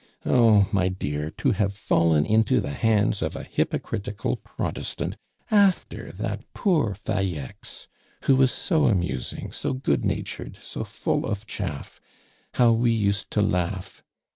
"Oh! my dear, to have fallen into the hands of a hypocritical Protestant after that poor Falleix, who was so amusing, so good natured, so full of chaff! How we used to laugh!